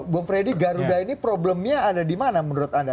bung freddy garuda ini problemnya ada di mana menurut anda